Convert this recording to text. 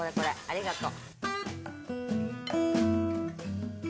ありがと。